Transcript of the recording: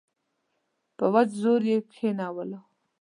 په وچ زور یې کښېنولو.